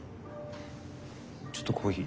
ちょっとコーヒー。